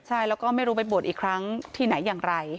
ใช่แล้วก็ไม่รู้ไปบวชอีกครั้งที่ไหนอย่างไร